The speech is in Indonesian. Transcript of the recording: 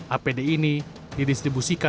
apd ini didistribusi